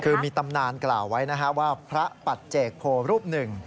คือมีตำนานกล่าวไว้นะฮะว่าพระปัจเจกโพรูปหนึ่ง